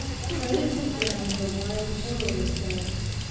Credit went down in a wild whirl of selling.